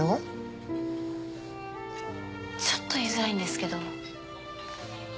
ちょっと言いづらいんですけど。